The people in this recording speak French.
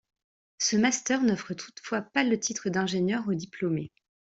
Ce master n'offre toutefois pas le titre d'ingénieur aux diplômés.